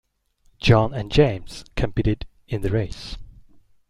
John and James competed in the race